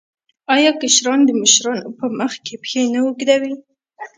آیا کشران د مشرانو په مخ کې پښې نه اوږدوي؟